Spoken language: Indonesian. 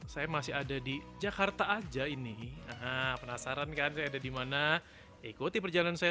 saya masih ada di jakarta aja ini penasaran kan saya ada dimana ikuti perjalanan saya